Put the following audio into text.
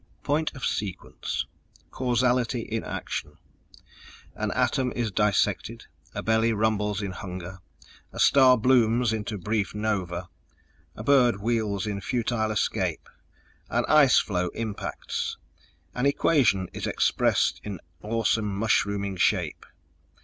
_... Point of sequence. Causality in action. An atom is dissected, a belly rumbles in hunger, a star blooms into brief nova; a bird wheels in futile escape, an ice flow impacts, an equation is expressed in awesome mushrooming shape.